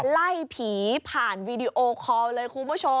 ไล่ผีผ่านวีดีโอคอลเลยคุณผู้ชม